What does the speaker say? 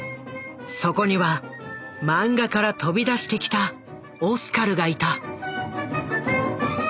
そこにはマンガから飛び出してきたオスカルがいた。